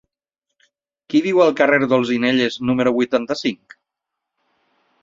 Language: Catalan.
Qui viu al carrer d'Olzinelles número vuitanta-cinc?